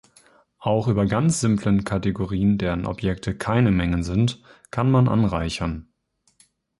Auch über ganz simplen Kategorien, deren Objekte keine Mengen sind, kann man anreichern.